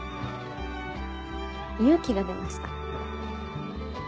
勇気が出ました。